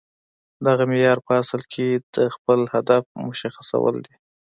دغه معیار په اصل کې د خپل هدف مشخصول دي